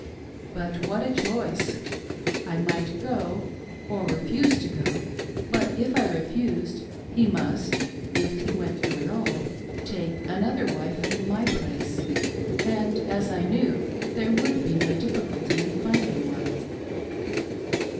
But what a choice ! I might go or refuse to go ; but, if I refused, he must — if he went through it all — take another wife in my place — and, as I knew, there would be no difficulty in finding one.